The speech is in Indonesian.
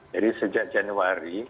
jadi sejak januari